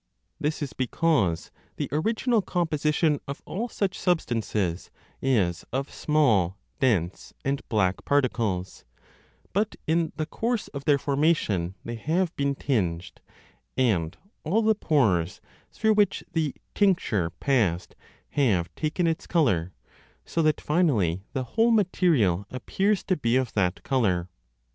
This is because the original composition of all such substances is of small dense and black particles, but in the course of their formation they have been tinged, and all the pores through which the tincture passed have taken its colour, so that finally the whole material appears to be of that colour.